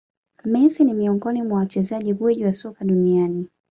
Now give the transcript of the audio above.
Messi ni miongoni mwa wachezaji gwiji wa soka duniani